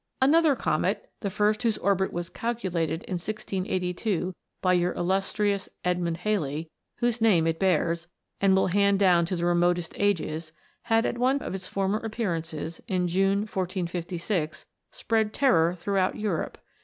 Another Comet the first whose orbit was calcu lated, in 1682, by your illustrious Edmund Halley, whose name it bears, and will hand down to the remotest ages had, at one of its former appearances, in June, 1456, spread terror throughout Europe.